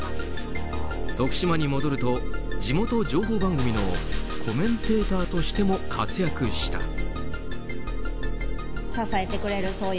徳島に戻ると地元情報番組のコメンテーターとしても活躍した。